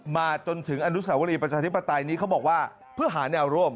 มาจนถึงอนุสาวรีประชาธิปไตยนี้เขาบอกว่าเพื่อหาแนวร่วม